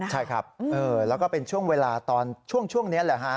ใช่ครับแล้วก็เป็นช่วงเวลาช่วงนี้